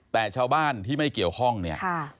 แต่ชาวบ้านที่ไม่เกี่ยวข้องเนี่ย